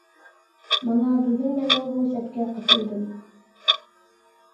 مانا، بۈگۈن مەنمۇ بۇ سەپكە قېتىلدىم.